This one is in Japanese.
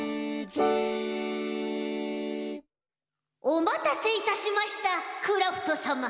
おまたせいたしましたクラフトさま！